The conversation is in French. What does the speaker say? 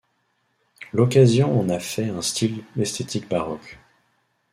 L'occasion en a fait un style esthétique baroque.